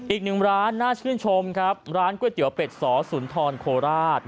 อีกหนึ่งร้านน่าชื่นชมครับร้านก๋วยเตี๋ยวเป็ดสอสุนทรโคราช